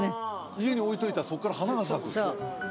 家に置いといたらそっから花が咲く